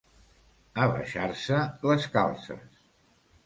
Abaixar-se les calces.